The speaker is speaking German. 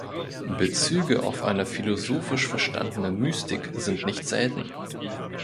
Bezüge auf eine philosophisch verstandene Mystik sind nicht selten.